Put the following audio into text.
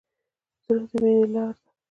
زړه د مینې لاره ده.